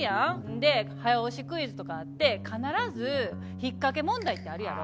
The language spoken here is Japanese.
で早押しクイズとかあって必ず引っかけ問題ってあるやろ。